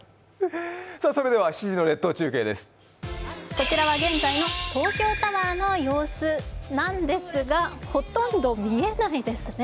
こちらは現在の東京タワーの様子なんですが、ほとんど見えないですね。